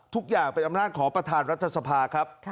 ทุกอย่างเป็นอำนาจของประธานรัฐสภาครับ